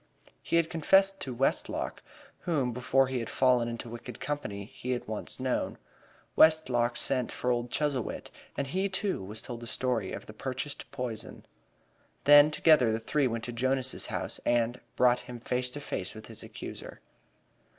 He had confessed to Westlock, whom, before he had fallen into wicked company, he had once known. Westlock sent for old Chuzzlewit, and he, too, was told the story of the purchased poison. Then together the three went to Jonas's house and brought him face to face with his accuser.